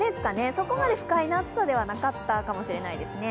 そこまで不快な暑さではなかったかもしれないですね。